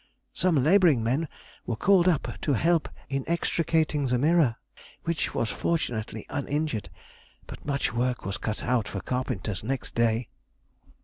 Some labouring men were called up to help in extricating the mirror, which was fortunately uninjured, but much work was cut out for carpenters next day.